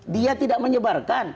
dia tidak menyebarkan